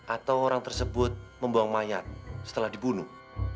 atau orang tersebut membuang mayat setelah dibunuh